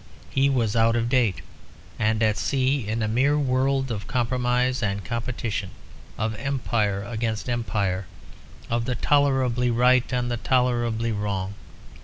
He was out of date, and at sea in a mere world of compromise and competition, of Empire against Empire, of the tolerably right and the tolerably wrong.